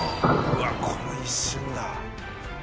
うわっこの一瞬だ。